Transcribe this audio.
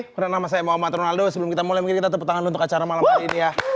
pernah nama saya muhammad ronaldo sebelum kita mulai kita tepat untuk acara malam hari ini ya